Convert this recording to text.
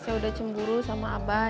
saya udah cemburu sama abah